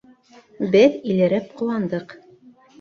Беҙ илереп ҡыуандыҡ.